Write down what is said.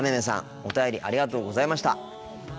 お便りありがとうございました。